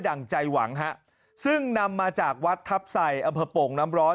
่งใจหวังฮะซึ่งนำมาจากวัดทัพใส่อำเภอโป่งน้ำร้อน